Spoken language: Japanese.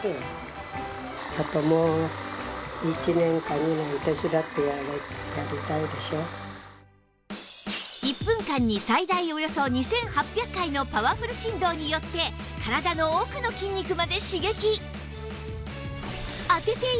看板娘の中島さんは１分間に最大およそ２８００回のパワフル振動によって体の奥の筋肉まで刺激